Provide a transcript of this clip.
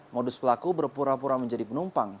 modus pelaku berpura pura menjadi penumpang